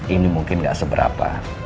ini mungkin gak seberapa